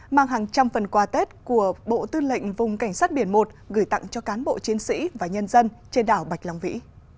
mang hàng trăm phần quà tết của bộ tư lệnh vùng cảnh sát biển một gửi tặng cho cán bộ chiến sĩ và nhân dân trên đảo bạch long vĩ